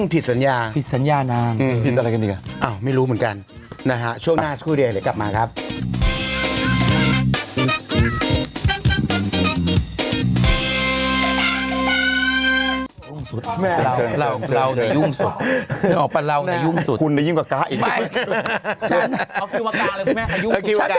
ผิดสัญญานางอ่าไม่รู้เหมือนกันนะฮะช่วงหน้าไม่อยู่แล้ว